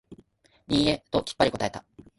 いいえ、ときっぱり答えた。